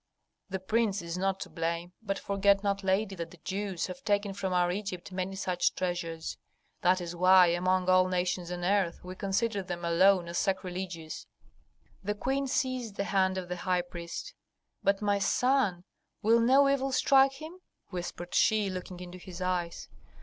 "The prince is not to blame. But forget not, lady, that the Jews have taken from our Egypt many such treasures. That is why, among all nations on earth, we consider them alone as sacrilegious." The queen seized the hand of the high priest. "But my son will no evil strike him?" whispered she, looking into his eyes.